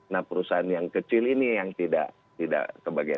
nah perusahaan yang kecil ini yang tidak kebagian